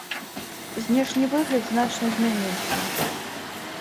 Знешні выгляд значна змяніўся.